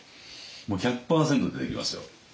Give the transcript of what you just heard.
もう１００％出てきますよ。